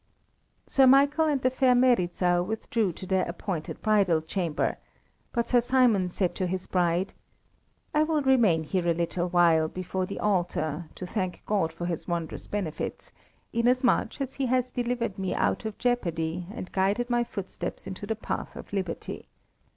Sir Michael and the fair Meryza withdrew to their appointed bridal chamber, but Sir Simon said to his bride: "I will remain here a little while before the altar to thank God for His wondrous benefits, inasmuch as He has delivered me out of jeopardy and guided my footsteps into the path of liberty.